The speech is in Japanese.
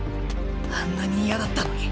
あんなに嫌だったのに。